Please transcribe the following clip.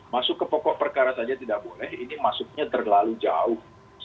masuk ke pokok perkara saja tidak boleh ini masuknya terlalu jauh